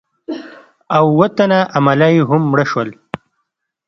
او اووه تنه عمله یې هم مړه شول.